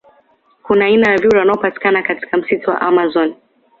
Kuna aina ya vyura wanaopatikana katika msitu wa amazon